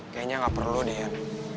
kayaknya gak perlu deh an